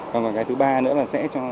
còn cái thứ ba nữa là sẽ